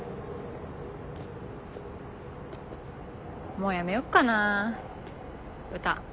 もうやめよっかな歌。